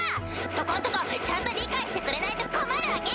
そこんとこちゃんと理解してくれないと困るわけ！